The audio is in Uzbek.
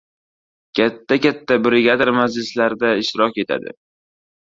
Katta, katta! Brigadir majlislarda ishtirok etadi.